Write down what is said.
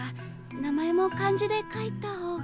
名前も漢字で書いた方が。